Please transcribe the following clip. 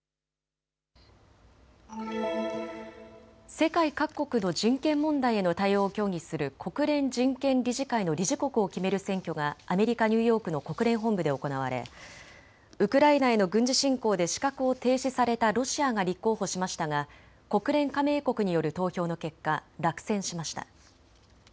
世界各国の人権問題への対応を協議する国連人権理事会の理事国を決める選挙がアメリカ・ニューヨークの国連本部で行われウクライナへの軍事侵攻で資格を停止されたロシアが立候補しましたが国連加盟国による投票の結果、落選しました。